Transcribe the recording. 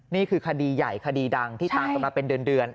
นี่คือคดีใหญ่คดีดังที่ตามกันมาเป็นเดือน